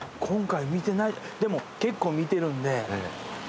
今回見てないでも結構見てるんで。